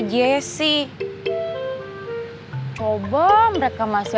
jessy coba mereka masih